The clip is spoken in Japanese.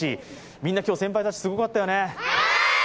みんな今日、先輩たち、すごかったよね。